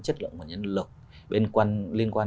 chất lượng và nhân lực liên quan